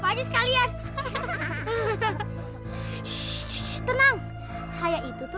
aduh kaget dulu saja bu